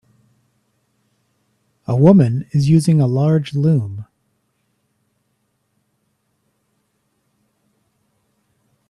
A woman is using a large loom.